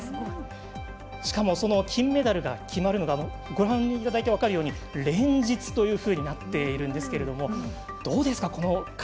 しかも、金メダルが決まるのがご覧いただいて分かるように連日となっているんですがどうですか、この数。